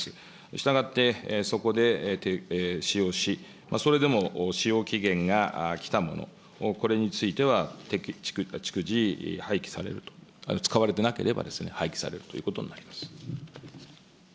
したがって、そこで使用し、それでも使用期限がきたもの、これについては、逐次廃棄されると、使われてなければ廃棄されるということになります。